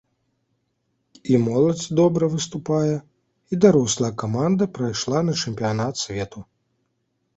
І моладзь добра выступае, і дарослая каманда прайшла на чэмпіянат свету.